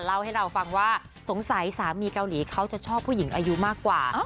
เล่าให้เราฟังว่าสงสัยสามีเกาหลีเขาจะชอบผู้หญิงอายุมากกว่า